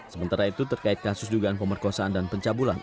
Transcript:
sementara itu terkait kasus dugaan pemerkosaan dan pencabulan